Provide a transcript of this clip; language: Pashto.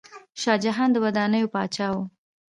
شاه جهان د ودانیو پاچا و.